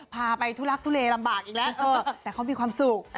พาไปทุลักทุเลลำบากอีกแล้วแต่เขามีความสุข